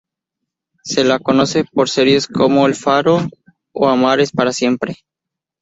Se la conoce por series como "El faro" o "Amar es para siempre".